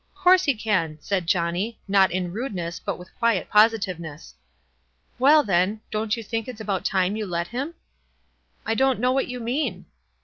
"'Course he can," said Johnny, not in rude ness, but with quiet positiveness. "Well, then, don't you think it's about time you let him?" " I don't know what you mean."